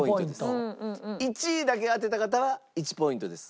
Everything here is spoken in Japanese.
１位だけ当てた方は１ポイントです。